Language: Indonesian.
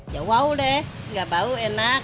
ya wow deh nggak bau enak